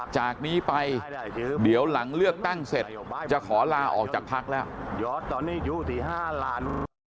จากนี้ไปเดี๋ยวหลังเลือกตั้งเสร็จจะขอลาออกจากพักแล้ว